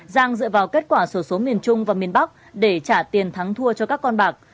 giang dựa vào kết quả số số miền trung và miền bắc để trả tiền thắng thua cho các con bạc